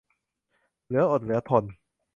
เหลืออดเหลือทน